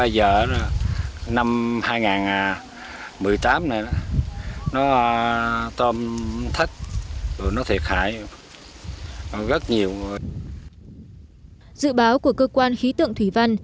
dự báo của cơ quan khí tượng thủy văn